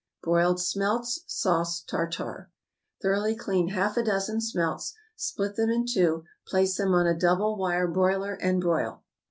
=Broiled Smelts, Sauce Tartare.= Thoroughly clean half a dozen smelts, split them in two, place them on a double wire broiler, and broil.